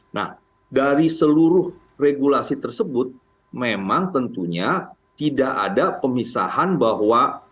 nah dari seluruh regulasi tersebut memang tentunya tidak ada pemisahan bahwa